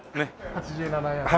８７ヤードです。